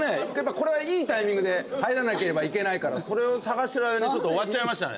これはいいタイミングで入らなければいけないからそれを探してる間にちょっと終わっちゃいましたね。